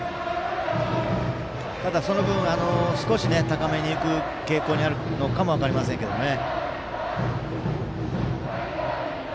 ただその分少し高めに浮く傾向にあるのかも分かりませんけどね。